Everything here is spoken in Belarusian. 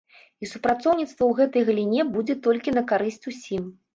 І супрацоўніцтва ў гэтай галіне будзе толькі на карысць усім.